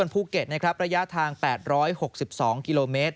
ผู้เก็ตระยะทาง๘๖๒กม